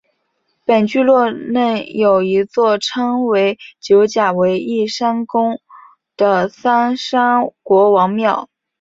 本聚落内有一座称为九甲围义山宫的三山国王庙。